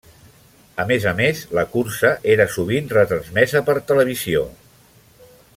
A més a més, la cursa era sovint retransmesa per televisió.